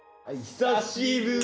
久しぶり！